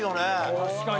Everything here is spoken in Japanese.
確かに。